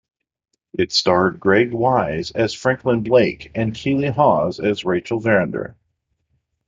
It starred Greg Wise as Franklin Blake and Keeley Hawes as Rachel Verinder.